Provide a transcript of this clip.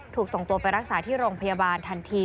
ถูกส่งตัวไปรักษาที่โรงพยาบาลทันที